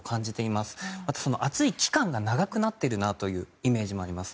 またその暑い期間が長くなっているなというイメージもあります。